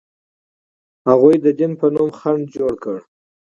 هغوی د دین په نوم خنډ جوړ کړ.